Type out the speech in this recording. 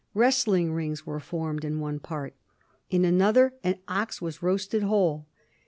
Wrestling rings were formed in one part ; in another an ox was roasted whole.